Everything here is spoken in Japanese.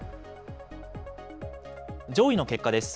上位の結果です。